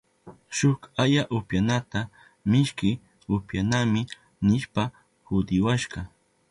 Shuk aya upyanata mishki upyanami nishpa hudiwashka.